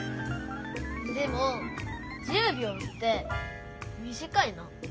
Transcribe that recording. でも１０びょうってみじかいな。